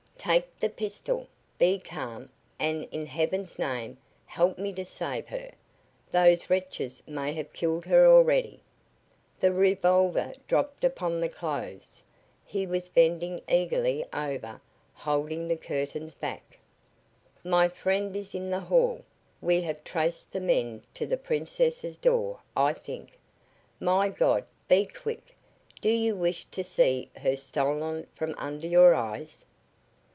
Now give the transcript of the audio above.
"Take the pistol! Be calm, and in heaven's name help me to save her. Those wretches may have killed her already!" The revolver dropped upon the clothes. He was bending eagerly over, holding the curtains back. "My friend is in the hall. We have traced the men to the Princess's door, I think. My God, be quick! Do you wish to see her stolen from under your eyes?"